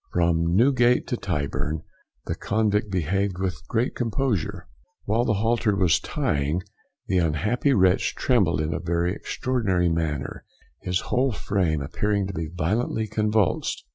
From Newgate to Tyburn the convict behaved with great composure. While the halter was tying, the unhappy wretch trembled in a very extraordinary manner, his whole frame appearing to be violently convulsed.